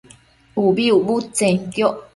ubi ucbudtsenquioc